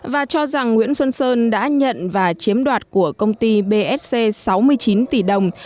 và cho rằng nguyễn xuân sơn đã nhận và chiếm đoạt của công ty bsc sáu mươi chín tỷ đồng